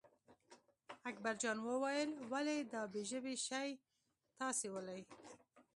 اکبرجان وویل ولې دا بې ژبې شی تاسې ولئ.